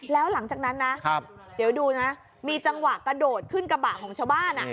แล้วหลังจากนั้นนะเดี๋ยวดูนะมีจังหวะกระโดดขึ้นกระบะของชาวบ้าน